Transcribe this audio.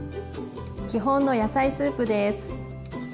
基本の野菜スープです。